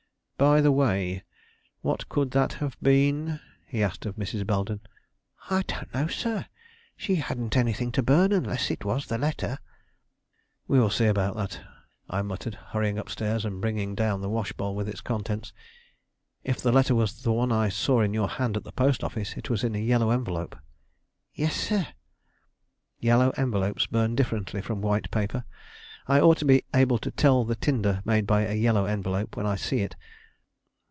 By the way, what could that have been?" he asked of Mrs. Belden. "I don't know, sir. She hadn't anything to burn unless it was the letter." "We will see about that," I muttered, hurrying up stairs and bringing down the wash bowl with its contents. "If the letter was the one I saw in your hand at the post office, it was in a yellow envelope." "Yes, sir." "Yellow envelopes burn differently from white paper. I ought to be able to tell the tinder made by a yellow envelope when I see it.